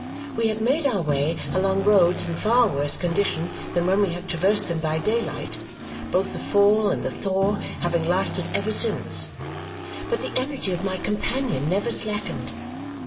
We had made our way along roads in a far worse condition than when we had traversed them by daylight, both the fall and the thaw having lasted ever since; but the energy of my companion never slackened.